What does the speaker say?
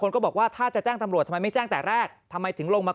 ก็บอกว่าถ้าจะแจ้งตำรวจทำไมไม่แจ้งแต่แรกทำไมถึงลงมา